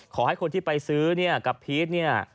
ขอให้คนที่ไปซื้อกับพีทเนี่ย